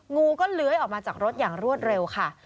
งูก็เลื้อยออกมาจากรถอย่างรวดเร็วค่ะ